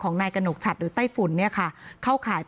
ของนายกระนกฉัตหรือไต้ฝุลเนี้ยค่ะเข้าขายเป็น